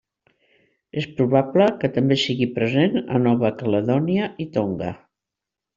És probable que també sigui present a Nova Caledònia i Tonga.